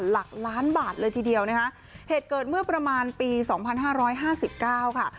หลักล้านบาทเลยทีเดียวนะฮะเหตุเกิดเมื่อประมาณปี๒๕๕๙ค่ะ